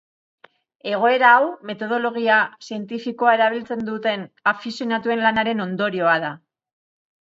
Egoera hau metodologia zientifikoa erabiltzen duten afizionatuen lanaren ondorioa da.